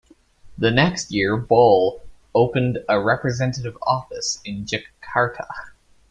The next year BoI opened a representative office in Jakarta.